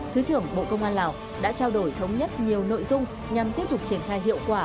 thứ trưởng bộ công an lào đã trao đổi thống nhất nhiều nội dung nhằm tiếp tục triển khai hiệu quả